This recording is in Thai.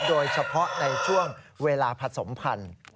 โดยเฉพาะในช่วงเวลาผสมพันธุ์